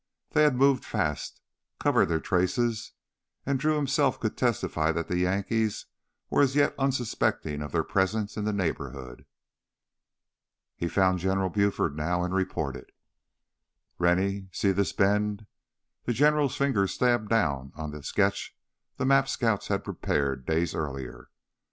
They had moved fast, covered their traces, and Drew himself could testify that the Yankees were as yet unsuspecting of their presence in the neighborhood. He found General Buford now and reported. "Rennie, see this bend...." The General's finger stabbed down on the sketch map the scouts had prepared days earlier.